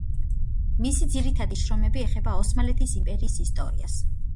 მისი ძირითადი შრომები ეხება ოსმალეთის იმპერიის ისტორიას.